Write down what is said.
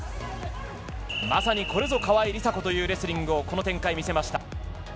まさにこれぞ川井梨紗子というレスリングをこの展開見せました。